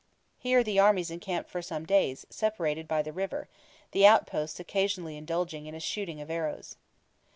Here the armies encamped for some days, separated by the river, the outposts occasionally indulging in a "shooting of arrows."